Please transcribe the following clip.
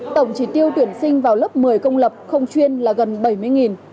tổng chỉ tiêu tuyển sinh vào lớp một mươi công lập không chuyên là gần bảy mươi